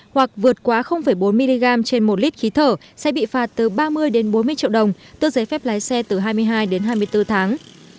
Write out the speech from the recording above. hoặc vượt quá bốn mg trên một lít khí thở sẽ bị phạt từ ba mươi bốn mươi triệu đồng tước giấy phép lái xe từ hai mươi hai đến hai mươi bốn tháng